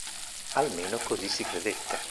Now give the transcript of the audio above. Almeno così si credette.